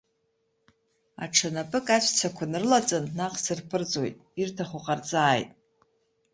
Аҽа напык аҵәцақәа нрылаҵан, наҟ сырԥырҵуеит, ирҭаху ҟарҵааит!